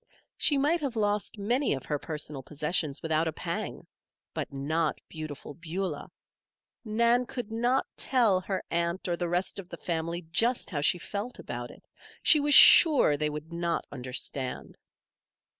She might have lost many of her personal possessions without a pang; but not Beautiful Beulah. Nan could not tell her aunt or the rest of the family just how she felt about it. She was sure they would not understand.